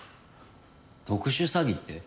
特殊詐欺って？